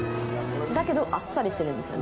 だけど、あっさりしてるんですよ。